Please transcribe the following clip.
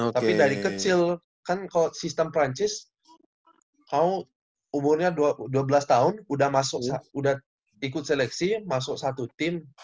tapi dari kecil kan kalau sistem prancis kamu umurnya dua belas tahun udah ikut seleksi masuk satu tim